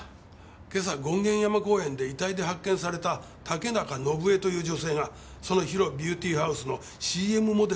今朝権現山公園で遺体で発見された竹中伸枝という女性がそのＨＩＲＯビューティーハウスのＣＭモデルをやってたんです。